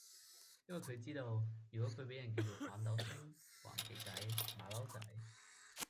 因為佢知道，如果佢俾人叫做反鬥星，頑皮仔，馬騮仔